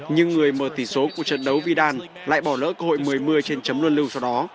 nhưng người mờ tỷ số của trận đấu vidal lại bỏ lỡ cơ hội một mươi một mươi trên chấm luân lưu sau đó